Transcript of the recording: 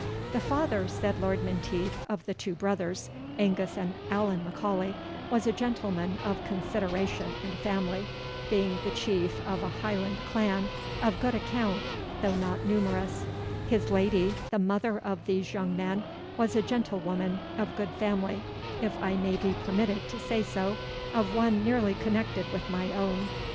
"The father," said Lord Menteith, "of the two brothers, Angus and Allan M'Aulay, was a gentleman of consideration and family, being the chief of a Highland clan, of good account, though not numerous; his lady, the mother of these young men, was a gentlewoman of good family, if I may be permitted to say so of one nearly connected with my own.